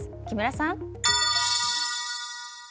木村さん。